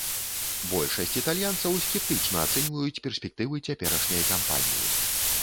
Большасць італьянцаў скептычна ацэньваюць перспектывы цяперашняй кампаніі.